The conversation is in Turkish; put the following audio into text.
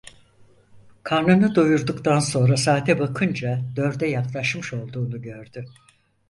Karnını doyurduktan sonra saate bakınca dörde yaklaşmış olduğunu gördü.